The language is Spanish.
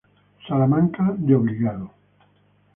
Salamanca de Obligado.